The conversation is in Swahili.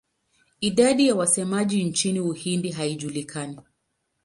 Idadi ya wasemaji nchini Uhindi haijulikani.